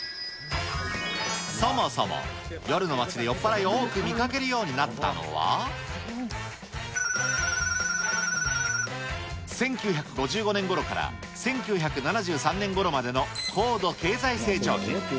そもそも、夜の街で酔っ払いを多く見かけるようになったのは、１９５５年ごろから１９７３年ごろまでの高度経済成長期。